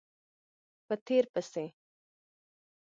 په تېر پسې